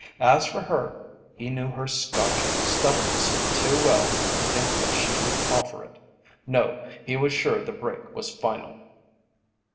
As for her, he knew her Scotch stubbornness too well to think that she would offer it. No, he was sure the break was final.